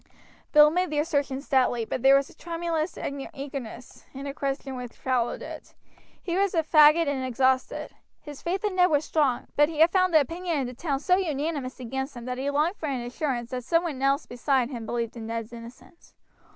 Bill made the assertions stoutly, but there was a tremulous eagerness in the question which followed it; He was fagged and exhausted. His faith in Ned was strong, but he had found the opinion in the town so unanimous against him that he longed for an assurance that some one beside himself believed in Ned's innocence.